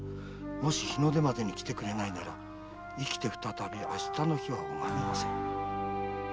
もし日の出までに来てくれないなら生きて再び明日の日は拝みません」！